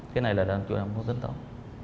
cái này là chủ động tính tốn